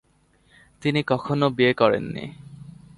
তিনি কখনো বিয়ে করেননি।